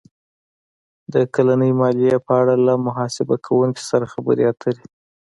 -د کلنۍ مالیې په اړه له محاسبه کوونکي سره خبرې اتر ې